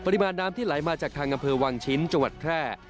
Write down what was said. ทางอำเภอวางชิ้นจังหวัดแคร่